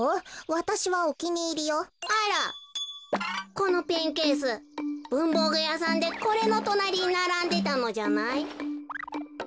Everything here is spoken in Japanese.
このペンケースぶんぼうぐやさんでこれのとなりにならんでたのじゃない？